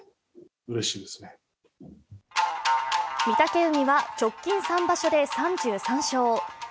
御嶽海は直近３場所で３３勝。